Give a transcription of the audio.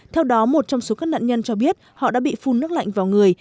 theo đó một trong số các nạn nhân cho biết họ đã bị phun nước lạnh vào người